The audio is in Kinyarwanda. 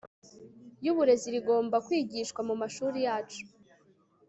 yuburezi rigomba kwigishwa mu mashuri yacu